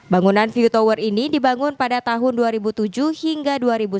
bangunan view tower ini dibangun pada tahun dua ribu tujuh hingga dua ribu sepuluh